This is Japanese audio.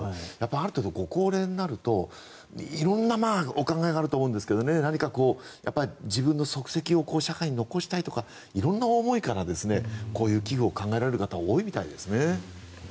ある程度、ご高齢になると色んなお考えがあると思うんですけど何か自分の足跡を社会に残したいとか色んな思いからこういう寄付を考えられる方多いみたいですね。